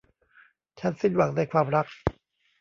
ฉันสิ้นหวังในความรัก